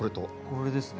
これですね。